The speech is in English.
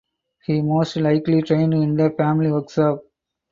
He most likely trained in the family workshop.